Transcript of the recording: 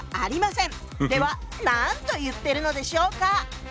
では何と言っているのでしょうか。